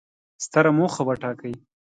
ستره موخه وټاکئ!